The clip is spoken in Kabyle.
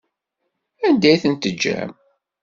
Anda i ten-teǧǧam?